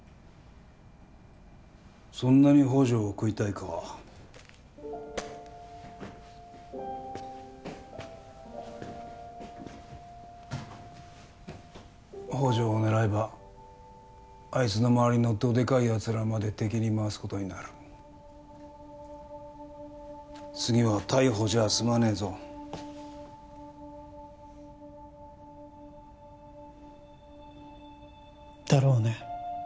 そんなに宝条を喰いたいか宝条を狙えばあいつの周りのドでかいやつらまで敵に回すことになる次は逮捕じゃ済まねえぞだろうね